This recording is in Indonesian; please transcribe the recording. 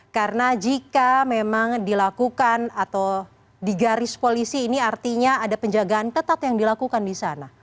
karena jika memang dilakukan atau digaris polisi ini artinya ada penjagaan ketat yang dilakukan di sana